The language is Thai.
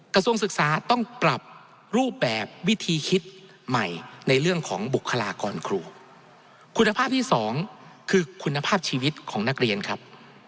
กระทรวงศึกษาต้องปรับรูปแบบวิธีคิดใหม่ในเรื่องของบุคลากรครูคุณภาพที่สองคือคุณภาพชีวิตของนักเรียนครับ